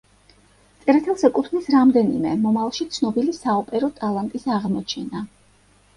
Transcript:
წერეთელს ეკუთვნის რამდენიმე მომავალში ცნობილი საოპერო ტალანტის აღმოჩენა.